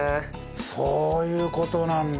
そういう事なんだ。